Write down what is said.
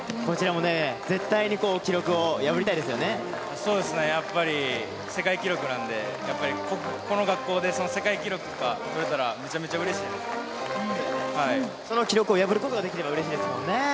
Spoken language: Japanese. こちらもね、そうですね、やっぱり世界記録なんで、やっぱりこの学校で世界記録とかとれたら、めちゃめちゃうれしいその記録を破ることができればうれしいですものね。